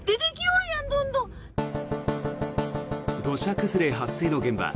土砂崩れ発生の現場。